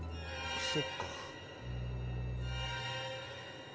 そっか。